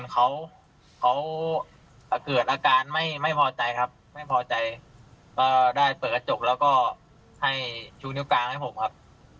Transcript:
เขาเกิดอาการไม่พอใจครับไม่พอใจก็ได้เปิดกระจกแล้วก็ให้ชูนิ้วกลางให้ผมครับ